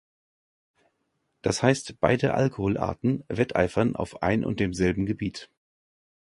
Das heißt, beide Alkoholarten wetteifern auf ein und demselben Gebiet.